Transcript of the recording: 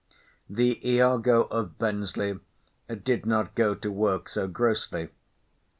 The Iago of Bensley did not go to work so grossly.